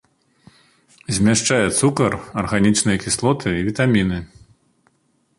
Змяшчае цукар, арганічныя кіслоты і вітаміны.